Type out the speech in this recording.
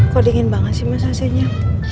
kok dingin banget sih mas acnya